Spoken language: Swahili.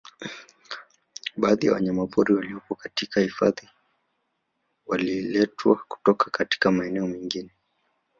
Baadhi ya wanyamapori waliopo katika hifadhi waliletwa kutoka katika maeneo mengine